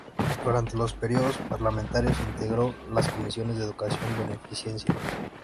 Durante los períodos parlamentarios integro las comisiones de educación, beneficencia.